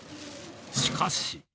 しかし。